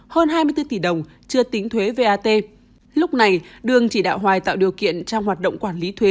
hơn hai mươi bốn tỷ đồng chưa tính thuế vat lúc này đương chỉ đạo hoài tạo điều kiện trong hoạt động quản lý thuế